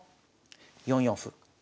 ４四歩。